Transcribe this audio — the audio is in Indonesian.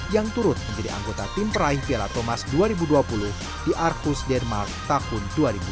yang turut menjadi anggota tim peraih piala thomas dua ribu dua puluh di arcus denmark tahun dua ribu dua puluh